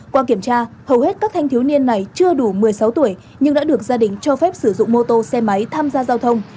qua kiểm tra hầu hết các thanh thiếu niên này chưa đủ một mươi sáu tuổi nhưng đã được gia đình cho phép sử dụng mô tô xe máy tham gia giao thông